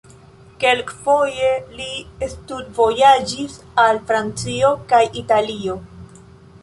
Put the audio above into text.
Kelkfoje li studvojaĝis al Francio kaj Italio.